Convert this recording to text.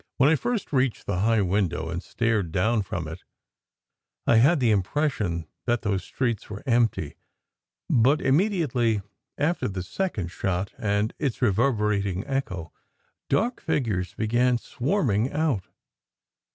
When I first reached the high window and stared down from it, I had the impression that those streets were empty, but im mediately after the second shot and its reverberating echo, dark figures began swarming out.